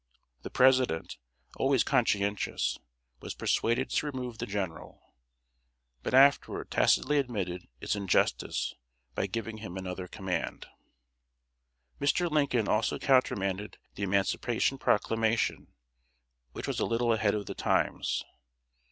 The President, always conscientious, was persuaded to remove the General; but afterward tacitly admitted its injustice by giving him another command. Mr. Lincoln also countermanded the Emancipation Proclamation, which was a little ahead of the times.